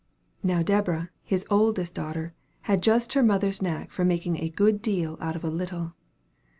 Now Deborah, his oldest daughter, had just her mother's knack of making a good deal out of a little.